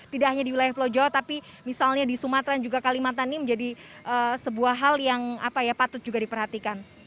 tidak hanya di wilayah pulau jawa tapi misalnya di sumatera juga kalimantan ini menjadi sebuah hal yang patut juga diperhatikan